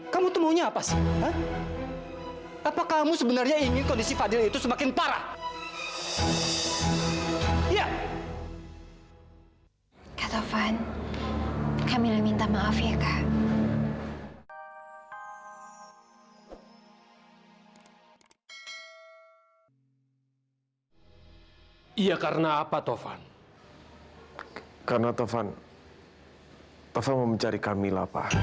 karena aku dengar kamu berantem sama fadil